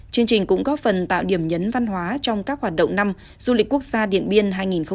chương trình cũng góp phần tạo điểm nhấn văn hóa trong các hoạt động năm du lịch quốc gia điện biên hai nghìn hai mươi bốn